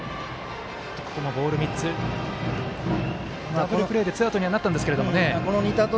ダブルプレーでツーアウトにはなったんですけど。